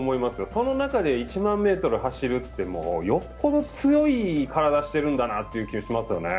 その中で１００００ｍ走るってもうよっぽど強い体してるんだなって気がしますよね。